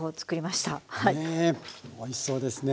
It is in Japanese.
ねえおいしそうですね。